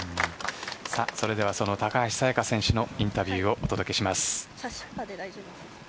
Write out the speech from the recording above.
それでは高橋彩華選手のインタビューをお届けします。